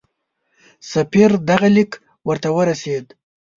سفیر دغه لیک ورته ورسېد.